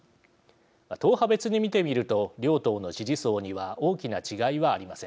党派別に見てみると両党の支持層には大きな違いはありません。